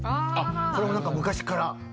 これも何か昔から。